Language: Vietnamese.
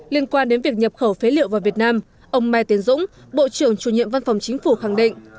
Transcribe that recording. liên quan đến việc nhập khẩu phế liệu vào việt nam ông mai tiến dũng bộ trưởng chủ nhiệm văn phòng chính phủ khẳng định